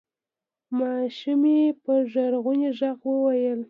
ماشومې په ژړغوني غږ وویل: